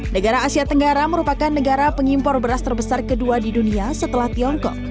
negara asia tenggara merupakan negara pengimpor beras terbesar kedua di dunia setelah tiongkok